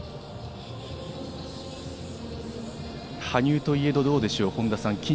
羽生といえどどうでしょう、本田さん。